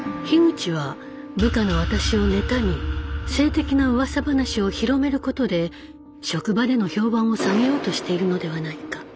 樋口は部下の私を妬み性的なうわさ話を広めることで職場での評判を下げようとしているのではないか。